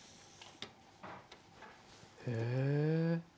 へえ。